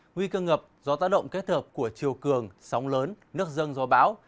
nguy cơ ngập do tác động kết thợp của chiều cường sóng lớn nước dâng gió bão